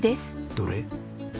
どれ？